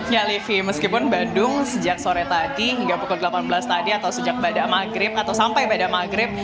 ya livi meskipun bandung sejak sore tadi hingga pukul delapan belas tadi atau sejak pada maghrib atau sampai pada maghrib